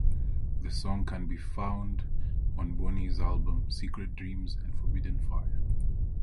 The song can be found on Bonnie's album "Secret Dreams and Forbidden Fire".